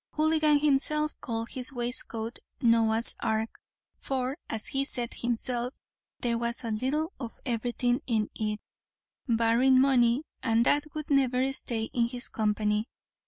Houligan himself called his waistcoat Noah's ark; for, as he said himself, there was a little of everything in it, barring money, and that would never stay in his company.